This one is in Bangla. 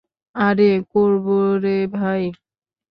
আরে করব রে ভাই।